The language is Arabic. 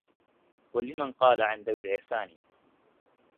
قل لمن قال عن ذوي العرفان